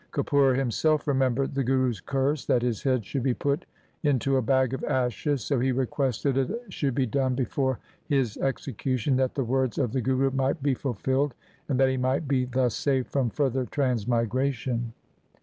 Kapura himself remembered the Guru's curse, that his head should be put into a bag of ashes, so he requested that it should be done before his execution, that the words of the Guru might be fulfilled, and that he might be thus saved from further transmigration.